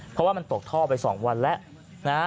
เพราะว่ามันตกท่อไป๒วันแล้วนะฮะ